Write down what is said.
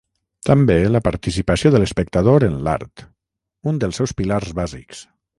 També la participació de l'espectador en l'art, un dels seus pilars bàsics.